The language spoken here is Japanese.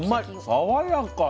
爽やか。